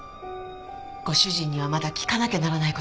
ご主人にはまだ聞かなきゃならない事があります。